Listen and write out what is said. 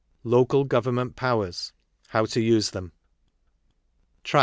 — Local Government Powers: How to use theta.